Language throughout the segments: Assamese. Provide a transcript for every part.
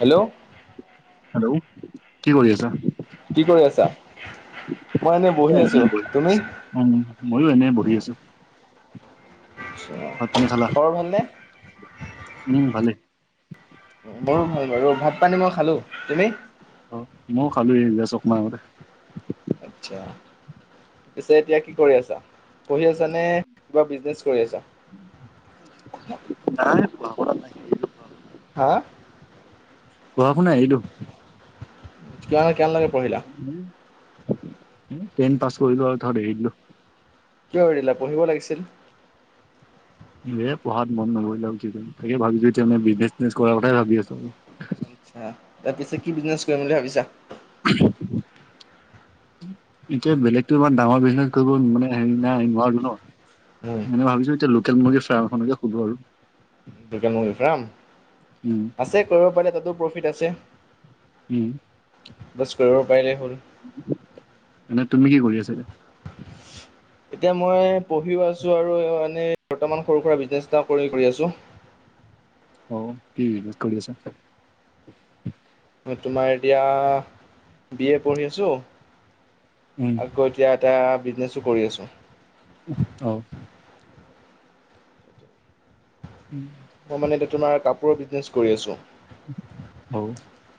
হেল্ল' হেল্ল' কি কৰি আছা? কি কৰি আছা, মই এনে বহি আছো তুমি? উম, ময়ো এনে বহি আছো। আচ্ছা। ভাত পানী খালা? খবৰ ভালনে? উম ্ ভালেই। মোৰো ভাল বাৰু, ভাত পানী মই খালো, তুমি? অ' ময়ো খালো, এই যে চকমাতে আচ্ছা। পিছে এতিয়া কি কৰি আছা, পঢ়ি আছা নে কিবা বিজনেছ কৰি আছা? নাই পোৱা নাই। হা? পঢ়া শুনা এৰিলো। কিমান লৈকে পঢ়িলা? টেন পাছ কৰিলো, আৰু তাত এৰি দিলো। কিয় এৰিলা পঢ়িব লাগিছিল। এ পঢ়াত মন নবহিল আৰু তাকে ভাবিছো বিজনেজ- চিজনেছ কৰাৰ কথাই ভাবি আছো আৰু। আচ্ছা তাৰ পিছে কি বিজনেছ কৰিম বুলি ভাবিছা? [inaudible] এতিয়া বেলেগতো ইমান ডাঙৰ বিজনেচ কৰিব নোৱাৰো ন, উম, সেই ভাবিছো। তেল মুৰ্গী ফাৰ্মখনকে খোলো আৰু। লোকেল মুৰ্গী ফাৰ্ম উম, আছে, কৰিব পাৰিল তাতো প্ৰফিট আছে। উম, বছ কৰিব পাৰিলে হ'ল। মানে তুমি কি কৰি আছা এতিয়া? এতিয়া মই পঢ়িও আছো আৰু এনেই বৰ্তমান সৰু সুৰা বিজনেছ এটা কৰি আছোঁ। অ, কি কৰি আছ? মই তোমাৰ এতিয়া বি এ পঢ়ি আছো উম, আৰু। এতিয়া এটা বিজনেছো কৰি আছোঁ। অ'। ওম। মই মানে এতিয়া তোমাৰ কাপোৰৰ বিজনেছ কৰি আছোঁ। অ,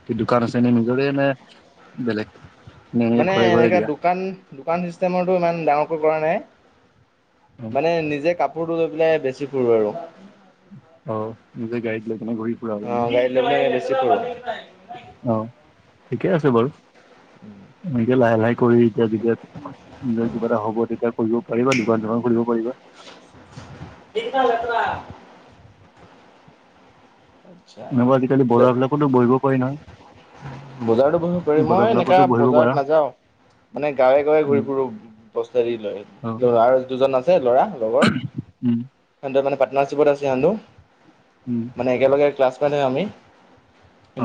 কি দোকান আছে, নিজৰে নে বেলেগ? নে মানে ঘৰে ঘৰে এনেকোৱা দিয়া দোকান দোকান চিষ্টেমতো ইমান ডাঙৰকৈ কৰা নাই অ মানে নিজে কাপোৰ ফুৰিবলৈ গৈ পেলাই বেছি ফুৰো আৰু। অ, নিজৰ গাডীত লৈ গলো। অ, গাড়ী লৈ বেছি ফুৰু। অ, ঠিকে আছে বাৰু এনেকে লাহে, লাহে কৰি এতিয়া যেতিয়া কিবা এটা হ'ব তেতিয়া কৰিব পাৰিবা দোকান যোগান কৰিব পাৰিবা। এইয়া লেতেৰা। আচ্ছা এনেকুৱা আজিকালি বজাৰ বিলাকতো বহিব পাৰি নহয়। বজাৰতো কৰিব পাৰিবা? বজাৰ মই বিলাকতো এনেকে বহিব পাৰা বজাৰত নাযাও। মানে গাঁৱে গাঁৱে ঘূৰি উম ফুৰো বস্তা আদি লৈ, অ আৰু দুজন আছে। ল'ৰা লগৰ উম সি মানে পাৰ্টনাৰচিপত আছে। উম। মানে একেলগে ক্লাছমেট হয় আমি,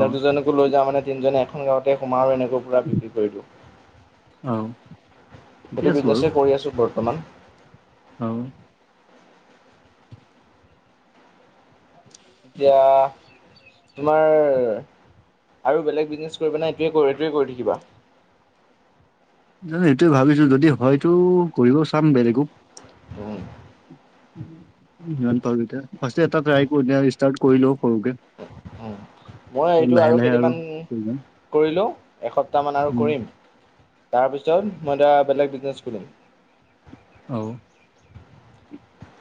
অ দুজনকো লৈ যাওঁ মানে তিনিজনে এখন গাঁৱতে সোমাও আৰু এনেকৈ পুৰা বিক্ৰী কৰি দিওঁ, অ ঠিকে সেইটো আছে বাৰু বিজনেছে কৰি আছো বৰ্তমান। অ'। এতিয়া তোমাৰ আৰু বেলেগ বিজনেচ কৰিবা নে, এইটোৱে কৰি থাকিবা? এইটোয়ে ভাবিছো যদি হয়তো কৰিব চাম বেলেগো। উম। কিমান পাম এতিয়া? ফাষ্ট এটা ট্ৰাই কৰি লোৱা ষ্টাৰ্ট কৰি লও সৰুকে। উ, মই এইটো লাহে আৰু লাহে কেইদিনমান কৰি যাম কৰিলোঁ এসপ্তাহমান আৰু উম কৰিম। তাৰপিছত মই এয়া বেলেগ বিজনেছ কৰিলিম। অ'।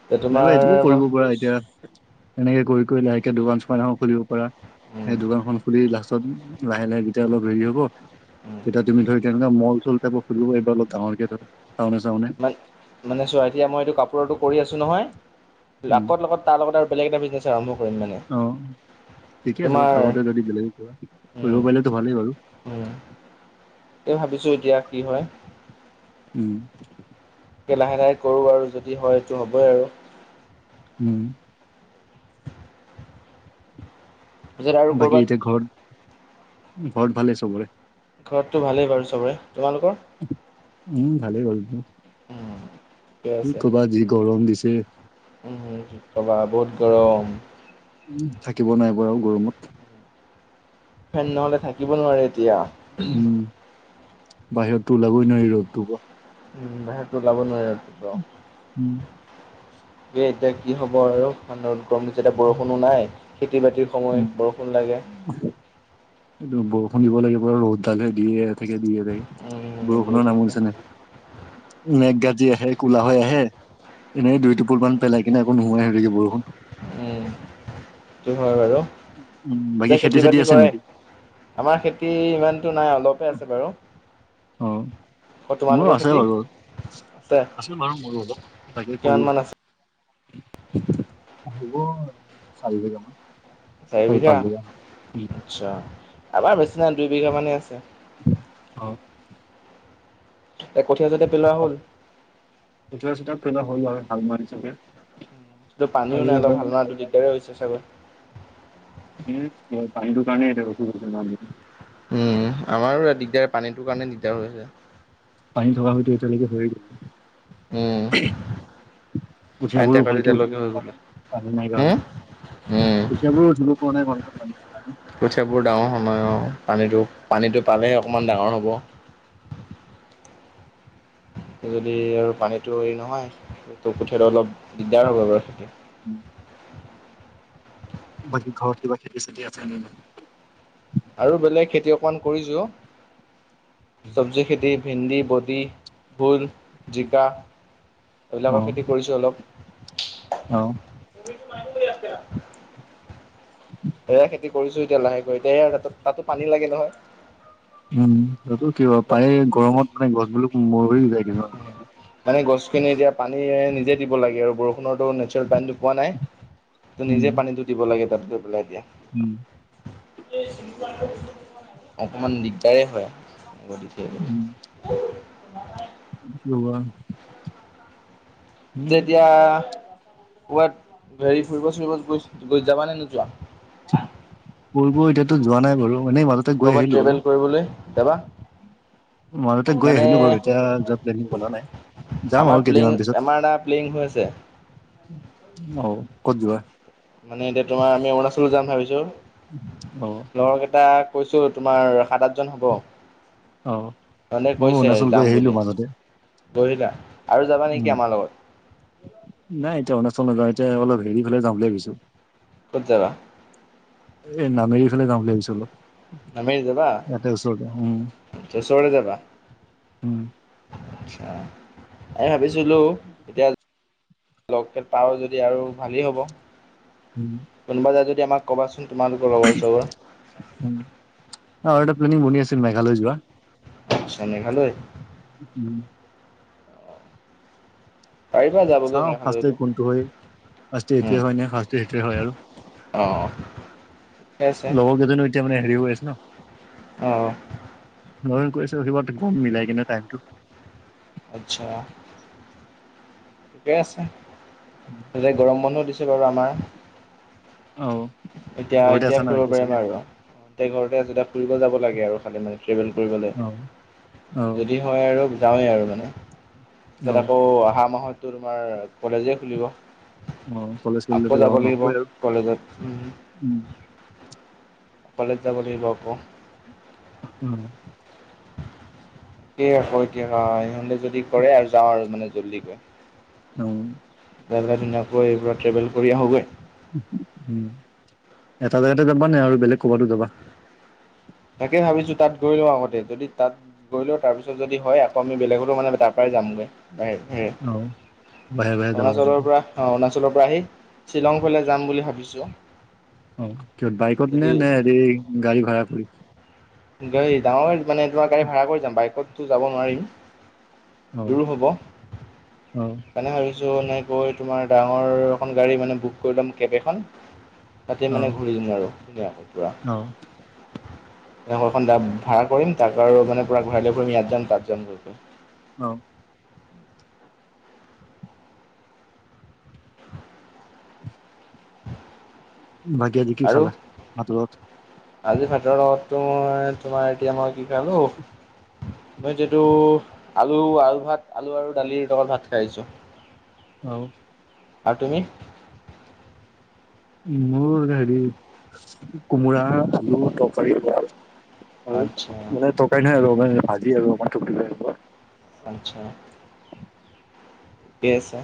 এতিয়া নাইবা তোমাৰ এইটোকো মই কৰিব পৰা ভাবিছোঁ এতিয়া এনেকে কৰি কৰি লাহেকে দোকান, চোকান এখন খুলিব প সেই দোকান খখন খুলি তাছত লাহে, লাহে যেতিয়া অলপ হেৰি হ'ব তেতিয়া তুমি ধৰি তেনেকুৱা মল, চল যাব। এইব অল ডাঙৰ চানে, চানে মানে চোৱা এতিয়া মই এইটো কাপোৰটো কৰি আছো নহয়। উম আগৌ লগত তাৰ লগত আৰু বেলেগ এটা বিজনেছ আৰম্ভ কৰিম মানে অ ঠিকে আছে বাৰু লগতে যদি বেলেগ কৰিব পাৰিলেতো ভালেই বাৰু এ ভাবিছো এতিয়া কি হয় উম, তে লাহে লাহে কৰো আৰু যদি হয় এইটো হ'বই আৰু উম, পিছত আৰু বাকী ক'ৰবাত এতিয়া ঘৰত, ঘৰত ভালেই চবৰে ঘৰততো ভালেই বাৰু চবৰে, তোমালোকৰ? উম, ভালেই গ'ল ঠিকে আছে কবাত যি গৰম দিছে কবা বহুত গৰম উ থাকিব নাই বাৰু গৰমত ফেন নহলে থাকিব নোৱাৰে এতিয়া উম, বাহিৰতো ওলাবই নোৱাৰি ৰ'দটো বাহিৰটো ওলাব নোৱি আৰু উম তে এ এতিয়া কি হ'ব আৰু ম গৰম দি এতিয়া বৰষুণো নাই খেতি বাতি উম সময় বৰষুণ লাগে এই বৰষুণিব লাগিব ৰ'দডালহে দিয়ে থাকে দিয়ে উম থাকে দিয়ে বৰষুণৰ নাম থাকে ওলছে নে মেঘগাজী আহে কোলাাহ হৈ আহে এনেই দুই টোপুল ম পেলাই কিনেকো নোহোৱাই হৈ থে বৰষুটো উম, সেইটো হয় বাৰু উম, বাকী যেতি খেতি চেতি বাতি আছে কৰে নেকি? আমাৰ খেতি ইমানতটো নাই অলপে আছে বাৰু অ, অ মোৰো তোমালোকৰ আছে খেতি বাৰু- আছে আছো বাৰু, মোৰো অলপ তাকে কিমান কৰি মান আছো আছে হব চাৰি বজ মান চাৰি বিঘা আচ্ছা, এবাৰ বেছি নাই দুইবিঘা মানেই আছে অ', এ, কঠীয়া যাতে পেলোৱা হ'ল চা পো হল হাল মাৰ চাগে পানীও আৰু নাই অলপ এবাৰ হাল মানে মোৱাটো মাৰি দিগদাৰ হৈছে চাগৈ উ, পানটোৰ কাৰণে এতিয়া সু ন উম, আমাৰো ই দিগদাৰ পানীটোৰ কাৰণে দিগদাৰ হৈ আছে পানী থকা হয়তো এতিয়ালৈকে হৈয় যায় উম, পানী [unintelligible] টেকাটো ভালক এতিয়ালৈকে অচুবিধা হৈ বোৱা গ'লে নাই প নাই হম উম কাৰে কেবোৰ উঠিব কোৱা নাই মালকে নাই কঠিয়াবোৰ ডাঙৰ সময়, আৰু পানীটো পানীটো পালেহে অকণমান ডাঙৰ হ'ব যদি আৰু পানীতটো হেৰি নহয়টো কোঠিয়াত অলপ দিগদাৰ হ'ব বাৰু খেতি উম, বাকি ঘৰত কিবা খেতি চেতি আছে ন আৰু বেলেগ খেতি অকমান কৰিছো, চব্জি খেতি ভেন্দি, বডি, ভোল, জিকা, এইবিলাকৰ অ', খেতি কৰিছোঁ অলপ অ', তি মান বুলি [unintelligible] উ, সেয়া খেতি কৰিছো, এতিয়া লাহেকৈ এতিয়া ত তাতো পানী লাগে নহয় উম, তাতো কি পাৰেেই গৰমত মানে গছ বিলাক মৰ হৈ যায় কিছুমান গছ মানে গছখিনি এতিয়া, পানী নিজে দিব লাগে আৰু বৰষুণৰতো নেচেল পানী পোৱা নাই, ত নিজে পানীটো দিব লাগে তাত গৈ পেলাই এতিয়া উম, অকমান দিগদাৰ হয় উম ম কোৱা তেয়া এতিয়া ক'ৰাত হেৰি ফুৰিব চুৰিব গৈ গৈ যাবা নে নোযোৱা কৰিব এতিয়াতো যোৱা নাই বাৰু এনেই মাজত ক'ৰবাত ট্ৰেভেল কৰিবলৈ যাবা মই তাতে গৈ মানে আহিলো বাৰু এতিয়া যোৱা প্লেনিং বনোৱা নাই যাম আমাৰ আৰু প্লেং কেইদিনমান পিছত আমাৰ এটা প্লেং হৈ আছে অ ক'ত যোৱা মানে এতিয়া তোমাৰ আমি অৰুণাচল যাম ভাবিছো অ লৰ এটা কৈছো তোমাৰ সাতাত হ'ব অ', ধনে ময়ো কৈছে অৰুণাচল গৈ যাম আহিলো বুলি মাজতে, বহিতা আৰু যাবা নেকি উম। আমাৰ লগত নাই এতিয়া অৰুণাচল নাযাওঁ এতিয়া অলপ হেৰি ফালে যাম বুলি ভাবিছো কত যাবা এ নামেৰি ফালে যাম বুলি ভাবিছিলো নামি দাবা চচৰে দাবা উম, এই ভাবিছিলো এতিয়া লগ পট পা যদি আৰু ভালেই হ'ব উম কোনোবা যায় যদি আমাক ক'বাচোন তোমালোকৰ লগৰ চবৰ আৰু এটা প্লেনিং বনি আছিল মেঘালয় যোৱা চনে ভাল হয় উম পাৰিবা যাবগৈ চাও আাঁচ্ত মেঘালয়তো কোনটো হয় আষ্ট এতি ন হৰে আৰু অঁ ঠিকে আছে লগ কি ন তমে হেৰিওছ ন অঁ ন কৰিছো সিত গম মিলাই কিনে টাইমটো আচ্ছা ঠিকে আছে উম যতে গৰম মানুহও দিছে বাৰু আমাৰ অঁ এতিয়া এতিয়া ফুৰিব পাৰিম আৰু গােই ঘৰতে আছেতিয়া ফুৰিব যাব লাগে আৰু খালি মানে ট্ৰেভেল কৰিবলৈ অ অ যদি হয় আৰু যাওঁৱেই আৰু মানে অ তাৰপিছত আকৌ অহা মাহত তোমাৰ কলেজেই খুলিব অ কলেজ আকৌ চলেজতো যাব লাগিব নহবই আৰু কলেজত উ উম কলেজ যাব লাগিব অক্‌। উম। কি হ'ব এতিয়া ইহঁতে যদি কৰে আৰু যা আৰু মানে জল্দি কে। অ। যা যা ধুনীয়াকৈ এইবোৰত ট্ৰেভেল কৰি আহোঁগৈ। উম এটা জেগাতে যাবা নে আৰু বেলেগ ক'ৰবাতো যাবা। তাকে ভাবিছো তাত গৈ লওঁ আগতে যদি তাত। কৰিলও তাৰপিছত যদি হয় আকৌ আমি বেলেগতো মানে তাৰ পৰাই যামগৈ। অ বাহে বাহে [unintelligible] যাবা অৰুণাচলৰ তাতে পৰা। অ, অৰুণাচলৰ পৰা আহি, শ্বিলং ফালে যাম বুলি ভাবিছোঁ। অ, কিহত বাইকত নে, যদি নে, হেৰি গাড়ী ভাড়া কৰি গাড়ী, ডাঙৰ গাড়ী মানে তোমাৰ গাড়ী ভাড়া কৰি যাম বাইকততো যাব নোৱাৰিম। অ দূৰ হ'ব অ মানে ভাবিছো। য'নে গৈ তোমাৰ ডাঙৰ এখন গাড়ী মানে বুক কৰি ল'ম কেব এখন। তাতে অ মানে ঘূৰি দিম আৰু ধুনীয়াকৈ পোৰা। অ এনেকুৱা এখন ভাড়া কৰিম তাক আৰু মানে পোৰা ঘূৰাই লৈ ফুৰিম ইয়াত যাম তাত যাম কৈ, কৈ অ'। বাকী আজি কি আৰু খালা ভাতৰ লগত আজি ভাতৰ লগতটো তোমাৰ এতিয়া মই কি খালো মই যিহেটো আলু, আলু ভাত আলু আৰু দালিৰ লগত ভাত খাই আহিছো। অ'। আৰু তুমি? মোৰ হেৰি কোমোৰা আলু তৰকাৰী। আৰু আচ্ছা মানে তৰকাৰি নহয় মানে ভাজি আৰু আমথু। আচ্ছা। ঠিক আছে।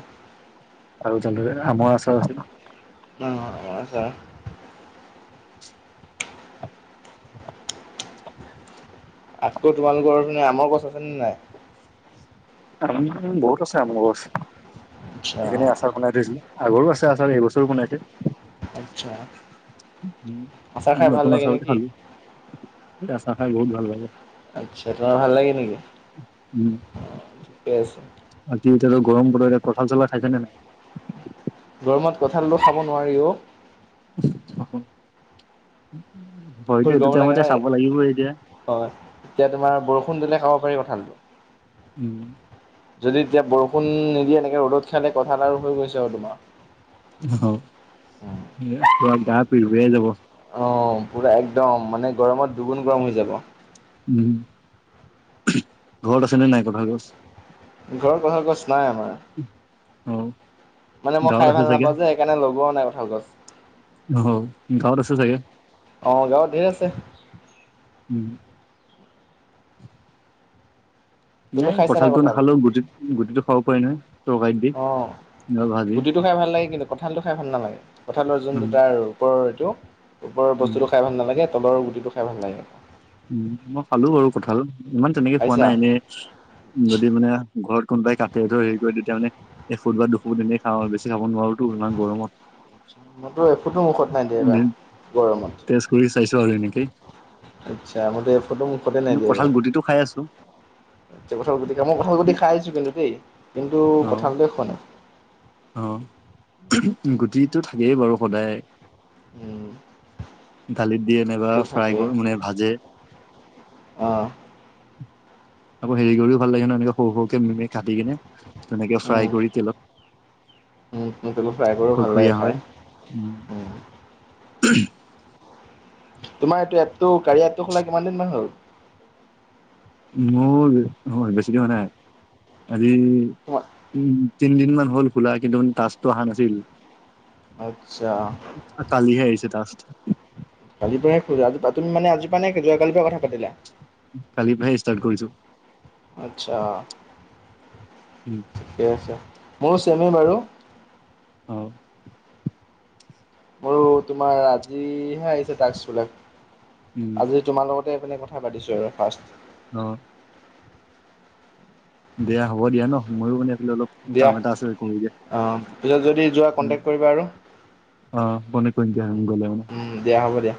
আৰু জাননে আমৰ আচাৰ আছিল। অ'। [unintelligible] আকৌ তোমালোকৰ চোন আমৰ গছ আছে নে নাই। আম বহুত আছে আমৰ গছ আচ্ছা সেইখিনি আচাৰ বনাই। [unintelligible] আগৰো আছে আচাৰ এইবছৰো বনাইছে। আৰ্তছা। উম, নতুন আচাৰ নেকি খালো এই আচাৰ খাই বহুত ভাল লাগে। আচ্ছা তোমাৰ ভাল লাগে নেকি উম অ, ঠিকে আছে। বাকী এতিয়াতো গৰম পোৰা কঁঠাল, চঠাল খাইছা নে নাই। গৰমত কঁঠালটো খাব নোৱাৰিও। [unintelligible] উ, উ। ফুল গৰম লাগে হয়নে হয় এতিয়া তোমাৰ বৰষুণ দিলে খাব পাৰি কঁঠালটো। উম। যদি এতিয়া বৰষুণ নিদিয়ে এনেকে ৰ'দত খিয়ালে কঁঠাল আৰু হৈ গৈছে আৰু তোমাৰ। অ, গা পি পিয়াই যাব। অ, পোৰা একদম মানে গৰমত দুগুণ গৰম হৈ যাব। উম, ঘৰত আছে নে নাই কঁঠাল গছ। ঘৰত কঁঠাল গছ নাই আমাৰ। অ'। মানে মই গাঁৱত খাই আছে ভাল চাগে নাপাওঁ যে সেইকাৰণে লগোৱা ও নাই কঁঠাল গছ। অ, ঘৰত। অ, গাঁৱত ধেৰ আছে। উম। তুমি নাই খাইছা কঁঠালটো কঁঠাল নাখালেও গুটি, গুটি খাব পাৰি নহয়। তৰকাৰীত দি অ, নহলে ভাজি গুটিটো খাই ভাল লাগে কিন্তু। কঁঠালটো খাই ভাল নালাগে, কঁঠালৰ উম যোনটো তাৰ ওপৰৰ এইটো ওপৰৰ উম বস্তুটো খাই ভাল নালাগে। তলৰ গুটিটো খাই ভাল লাগে। উ, মই পালো বাৰু কথাাল ইমান তেনেকে খোৱা খাইছা নাই এনে। যদি মানে ঘৰত কোনোবাই কাটি থৰ হেৰি কৰে তেতিয়া মানে এ, ফুট বাৰ দুফুট এনেই খাওঁ আৰু বেছি খাব নোৱাৰোতো ইমান গৰমত। মোৰতো এফুটো মুখত নাই দিয়া এইবাৰ উম, গৰমত। তেছ কৰি চাইছোঁ আৰু হয় নেকি। আচ্ছা, মতে ফটো মোক ফতে নাই কিন্তু দিবা। কঁঠাল গুটিটো খাই আছো য়া ক গ মই কথাাল গুট খাই আছো কিন্তু দেই, কিন্তু অ কথা গ শোৱা নাই। অ', গুটিটো থাকেই বাৰু সদায়। উম দালিত দিয়ে নাইবা ফ্ৰাই মানে ভাজে। আহ। আকৌ হেৰি কৰিও ভাল লাগে নহয় এনেকে সৰু সৰুকে মমি কাটি কিনে, তেনেকে উম ফ্ৰাই কৰি তেলত। উম টল ফ্ৰাই কৰোঁ ভাল খৰখৰীয়া লাগে হয় উম খায়। [unintelligible] তোমাৰ এইটো এপটো কাড়ীয়া এপটো খোলা কিমান দিনমান হ'ল? মোৰ, বেছি দিন হোৱা নাই মানে আজি হয়। উম তিনিদিনমান হ'ল খোলা কিন্তু তাচটো অহা নাছিল। আচ্ছা। কালিহে আহিছে টাচ্ছ। আজি পৰাহে জি তুনে আজি পৰা নে যাকালিৰ পৰা কথা পাতিলা? কালি পৰাহে ষ্টাৰ্ট কৰিছো, আচ্ছা উম। ঠিকে আছে, মোৰো চেমে বাৰু। অ'। মোৰো তোমাৰ আজিহে আহিছে াক বিলাক উম আজি তোমাৰ লগতে মানে কথা পাতিছোঁ আৰু ফাৰ্ষ্ট। অ'। দিয়া হ'ব দিয় ন, ময়ো মানে এফালে অলপ দিয়া, কাম এটা আছে কৰি দিয়া অ' পিছত যদি যোৱা উম কন্টেক্ট কৰিবা আৰু। অ' কন্টেক্ট কৰিম দিয়া গলে ন। দিয়া, হ'ব দিয়া।